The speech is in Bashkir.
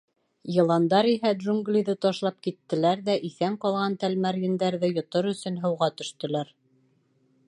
Йыландар иһә джунглиҙы ташлап киттеләр ҙә иҫән ҡалған тәлмәрйендәрҙе йотор өсөн һыуға төштөләр.